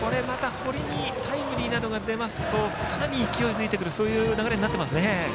堀にタイムリーなどが出ますとさらに勢いづいていく流れになりますね。